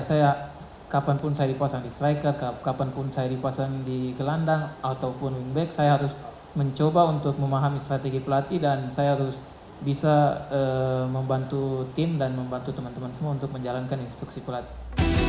saya kapanpun saya dipasang di striker kapanpun saya dipasang di gelandang ataupun wingback saya harus mencoba untuk memahami strategi pelatih dan saya harus bisa membantu tim dan membantu teman teman semua untuk menjalankan instruksi pelatih